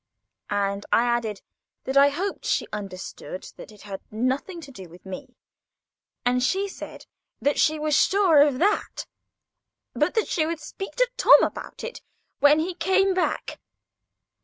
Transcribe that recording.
And I added that I hoped she understood that it had nothing to do with me; and she said that she was sure of that, but that she would speak to Tom about it when he came back.